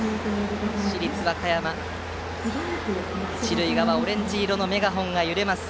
市立和歌山、一塁側オレンジ色のメガホンが揺れます。